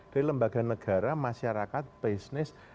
dari lembaga negara masyarakat bisnis